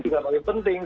itu juga paling penting